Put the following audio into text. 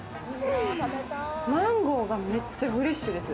マンゴーがめっちゃフレッシュです。